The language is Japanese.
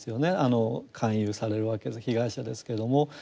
勧誘されるわけで被害者ですけども。